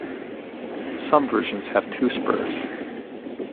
Some versions have two spurs.